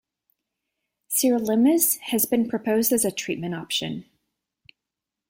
Sirolimus has been proposed as a treatment option.